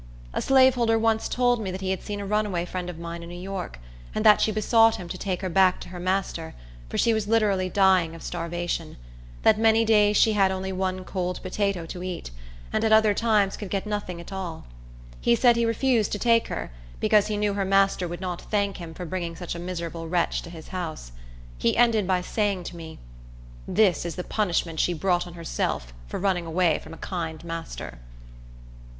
A slaveholder once told me that he had seen a runaway friend of mine in New York, and that she besought him to take her back to her master, for she was literally dying of starvation; that many days she had only one cold potato to eat, and at other times could get nothing at all. He said he refused to take her, because he knew her master would not thank him for bringing such a miserable wretch to his house. He ended by saying to me, "This is the punishment she brought on herself for running away from a kind master."